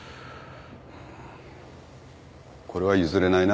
これは譲れないな。